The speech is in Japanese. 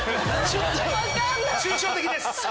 抽象的です。